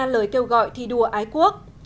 ba lời kêu gọi thi đua ái quốc